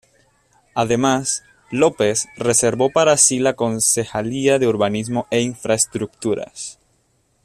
Además, López reservó para sí la concejalía de Urbanismo e Infraestructuras.